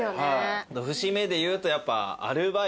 節目で言うとやっぱ。